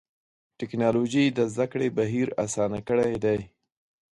ټکنالوجي د زدهکړې بهیر آسانه کړی دی.